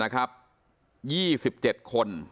๒๗คน